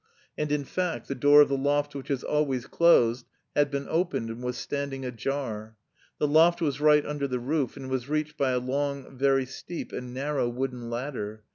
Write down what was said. And in fact, the door of the loft which was always closed had been opened and was standing ajar. The loft was right under the roof and was reached by a long, very steep and narrow wooden ladder.